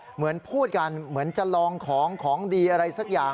เหมือนพูดกันเหมือนจะลองของของดีอะไรสักอย่าง